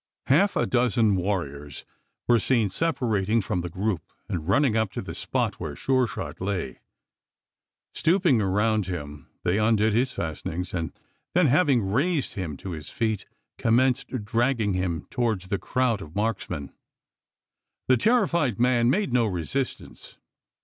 Half a dozen warriors were seen separating from the group and running up to the spot where Sure shot lay. Stooping around him, they undid his fastenings; and then, having, raised him to his feet, commenced dragging him towards the crowd of marksmen. The terrified man made no resistance.